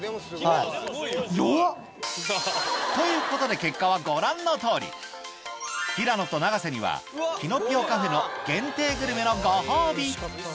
結果はご覧の通り平野と永瀬にはキノピオ・カフェの限定グルメのご褒美